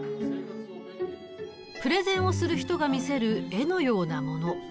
プレゼンをする人が見せる絵のようなもの。